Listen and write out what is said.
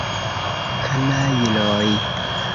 Kanajloj!